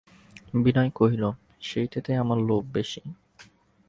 বিনয় কহিল, সেইটেতেই আমার লোভ বেশি।